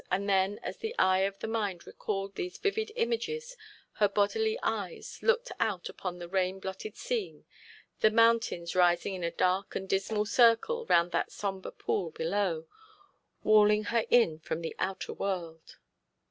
And then as the eyes of the mind recalled these vivid images her bodily eyes looked out upon the rain blotted scene, the mountains rising in a dark and dismal circle round that sombre pool below, walling her in from the outer world.